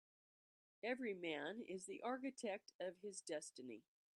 Every man is the architect of his destiny.